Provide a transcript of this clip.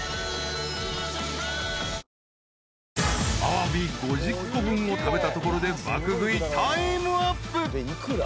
［あわび５０個分を食べたところで爆食いタイムアップ］